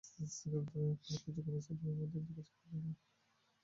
Cigarette ধরাইয়া কুমুদ কিছুক্ষণ স্তব্ধভাবে মতির দিকে চাহিয়া রহিল।